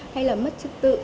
hay là mất trực tự